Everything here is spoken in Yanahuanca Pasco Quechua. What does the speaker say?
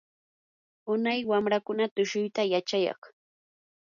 unay wamrakuna tushuyta yachayaq.